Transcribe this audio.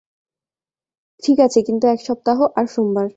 ঠিক আছে কিন্তু এক সপ্তাহ আর সোমবার।